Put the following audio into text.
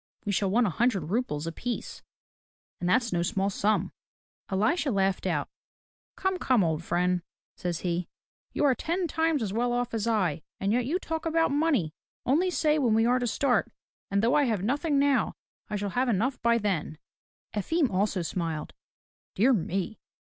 We shall want a hundred roubles apiece, — and that's no small sum." Elisha laughed out. "Come, come, old friend," says he, "you are ten times as well off as I, and yet you talk about money! Only say when we are to start, and though I have nothing now, I shall have enough by then." Efim also smiled. "Dear me